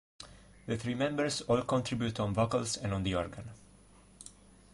The three members all contribute on vocals and on the organ.